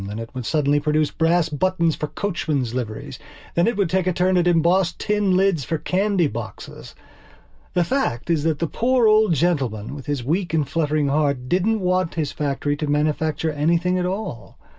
Then it would suddenly produce brass buttons for coachmen's liveries. Then it would take a turn at embossed tin lids for candy boxes. The fact is that the poor old gentleman, with his weak and fluttering heart, didn't want his factory to manufacture anything at all.